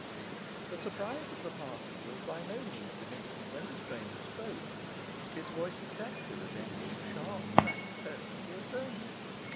The surprise of the party was by no means diminished when the stranger spoke. His voice exactly resembled the sharp cracked tones of the attorney.